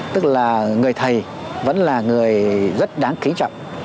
tức là người thầy vẫn là người rất đáng kính trọng